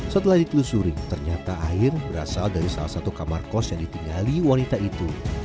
setelah ditelusuri ternyata air berasal dari salah satu kamar kos yang ditinggali wanita itu